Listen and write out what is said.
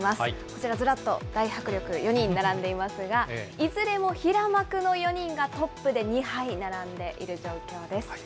こちら、ずらっと大迫力、４人並んでいますが、いずれも平幕の４人がトップで２敗で並んでいる状況です。